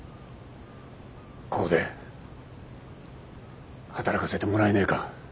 ここで働かせてもらえねえか？